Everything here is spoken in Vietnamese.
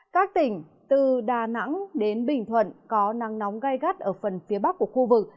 các tỉnh từ đà nẵng đến bình thuận có nắng nóng gai gắt ở phần phía bắc của khu vực